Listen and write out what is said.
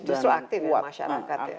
justru aktif ya masyarakat